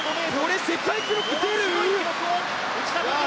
これは世界記録が出る？